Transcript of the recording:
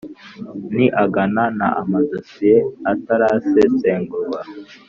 ni angana na Amadosiye atarasesengurwa